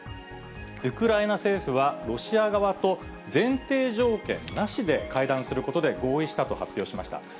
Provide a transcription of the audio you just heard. ウクライナ政府は、ロシア側と前提条件なしで会談することで合意したと発表しました。